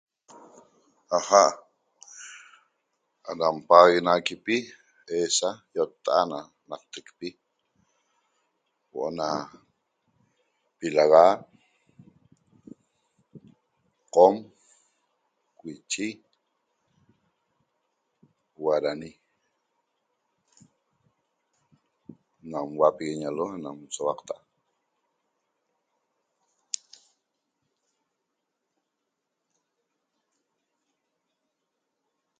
Aja' anam paxaguenaxaquipi eesa iotta'at na na'aqtacpi huo'o ana pilagá, qom, wichí, guaraní nam huapiguiñalo nam souaqta'